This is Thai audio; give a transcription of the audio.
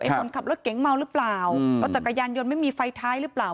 คนขับรถเก๋งเมาหรือเปล่ารถจักรยานยนต์ไม่มีไฟท้ายหรือเปล่า